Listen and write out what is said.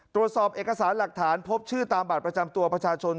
ตรวจสอบเอกสารหลักฐานพบชื่อตามบัตรประจำตัวประชาชน